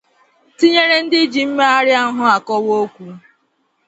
tinyere ndị ji mmegharịahụ akọwa okwu